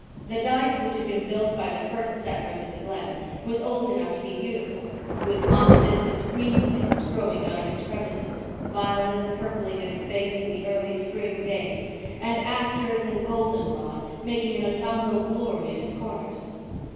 The dyke, which had been built by the first settlers of the Glen, was old enough to be beautiful, with mosses and green things growing out of its crevices, violets purpling at its base in the early spring days, and asters and golden rod making an autumnal glory in its corners.